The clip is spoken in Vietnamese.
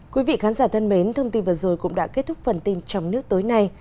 quý vị khán giả thân mến thông tin vừa rồi cũng đã kết thúc phần tin trong nước tối nay